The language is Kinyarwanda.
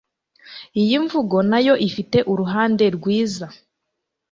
Iyi mvugo na yo ifite uruhande rwiza.